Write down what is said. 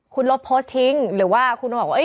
คุณลบโพสต์ทิ้งหรือว่าคุณมาบอกว่า